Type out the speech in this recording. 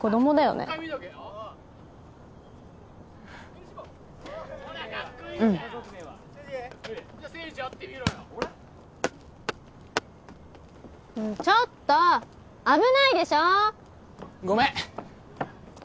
ねぇちょっと危ないでしょ！ごめん！